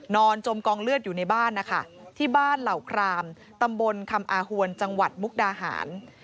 จมกองเลือดอยู่ในบ้านนะคะที่บ้านเหล่าครามตำบลคำอาหวนจังหวัดมุกดาหาร